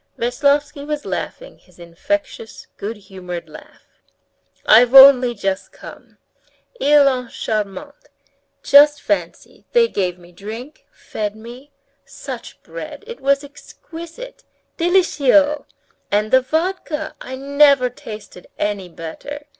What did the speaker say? Veslovsky was laughing his infectious, good humored laugh. "I've only just come. Ils ont été charmants. Just fancy, they gave me drink, fed me! Such bread, it was exquisite! Délicieux! And the vodka, I never tasted any better.